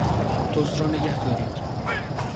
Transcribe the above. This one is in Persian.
دزد را نگهدارید!